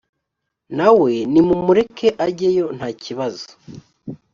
na we ni mumureke ajyeyo ntakibazo